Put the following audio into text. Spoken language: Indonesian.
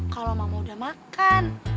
kalau mama udah makan